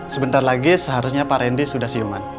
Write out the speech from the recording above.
sebentar lagi seharusnya pak randy sudah siuman